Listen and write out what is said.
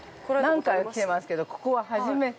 ◆何回も来てますけどここは初めて。